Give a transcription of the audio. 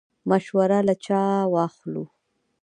مشوره له چا واخلو؟